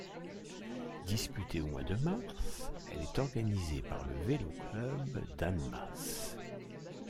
Disputée au mois de mars, elle est organisée par le Vélo Club d'Annemasse.